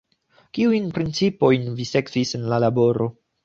Kiujn principojn vi sekvis en la laboro?